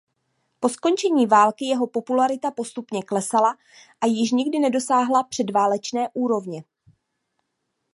Po skončení války jeho popularita postupně klesala a již nikdy nedosáhla předválečné úrovně.